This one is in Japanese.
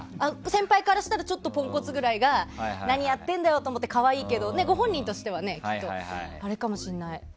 先輩からしたらちょっとポンコツぐらいが何やってんだよと思って可愛いけど、ご本人としてはきっとあれかもしれない。